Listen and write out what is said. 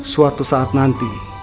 suatu saat nanti